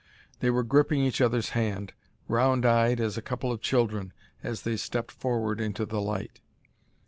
They were gripping each other's hand, round eyed as a couple of children, as they stepped forward into the light.